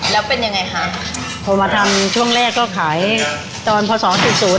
แล้วเป็นยังไงคะพอมาทำช่วงแรกก็ขายตอนพอสองจุดศูนย์